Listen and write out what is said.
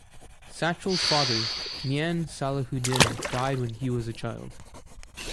Sachal's father Mian Salahuddin died when he was a child.